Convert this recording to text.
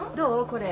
これ。